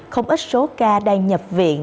không ít số ca đang nhập viện